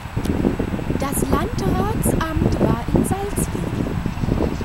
Das Landratsamt war in Salzwedel.